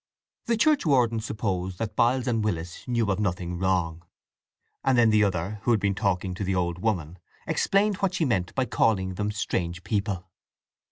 The churchwarden supposed that Biles and Willis knew of nothing wrong, and then the other, who had been talking to the old woman, explained what she meant by calling them strange people.